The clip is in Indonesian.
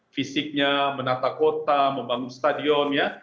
fisiknya menata kota membangun stadion ya